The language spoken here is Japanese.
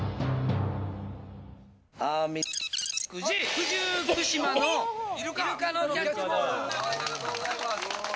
九十九島のイルカのキャッチボール。